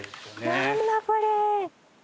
何だこれ。